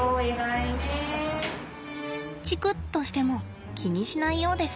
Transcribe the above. チクッとしても気にしないようです。